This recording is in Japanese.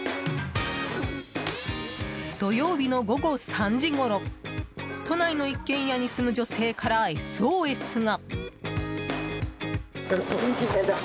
土曜日の午後３時ごろ都内の一軒家に住む女性からＳＯＳが。